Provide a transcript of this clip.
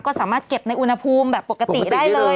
ก็สามารถเก็บในอุณหภูมิแบบปกติได้เลย